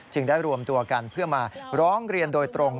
ได้รวมตัวกันเพื่อมาร้องเรียนโดยตรง